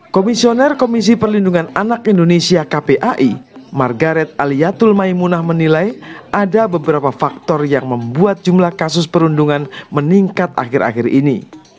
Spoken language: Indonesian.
komisioner komisi perlindungan anak indonesia kpai margaret aliatul maimunah menilai ada beberapa faktor yang membuat jumlah kasus perundungan meningkat akhir akhir ini